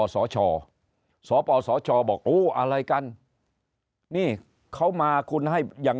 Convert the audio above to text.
สชสปสชบอกโอ้อะไรกันนี่เขามาคุณให้อย่าง